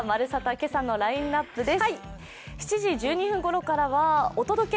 今朝のラインナップです。